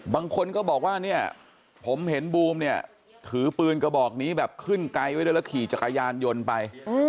บางคนก็บอกว่าเนี่ยผมเห็นบูมเนี่ยถือปืนกระบอกนี้แบบขึ้นไกลไว้ด้วยแล้วขี่จักรยานยนต์ไป